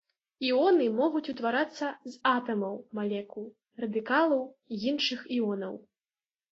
Іоны могуць утварацца з атамаў, малекул, радыкалаў, іншых іонаў.